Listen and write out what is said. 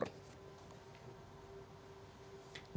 dan juga di wilayah pulau jawa timur